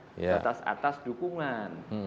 dengan demikian itu secara alamiah nanti akan terjadi apa